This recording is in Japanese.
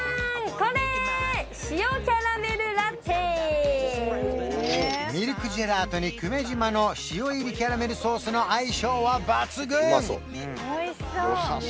これミルクジェラートに久米島の塩入りキャラメルソースの相性は抜群！